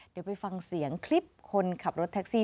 เดี๋ยวไปฟังเสียงคลิปคนขับรถแท็กซี่